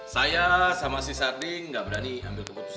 saya sama si sarding gak berani ambil keputusan